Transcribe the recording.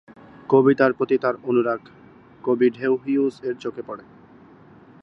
কবিতার প্রতি তার অনুরাগ কবি টেড হিউজ এর চোখে পড়ে।